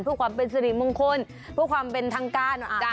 เพื่อความเป็นสิริมงคลเพื่อความเป็นทางการ